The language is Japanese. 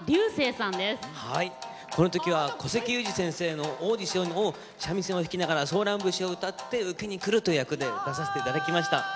この時は古関裕而先生のオーディションを三味線を弾きながらソーラン節を歌って受けにくるという役で出させて頂きました。